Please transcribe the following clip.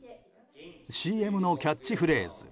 ＣＭのキャッチフレーズ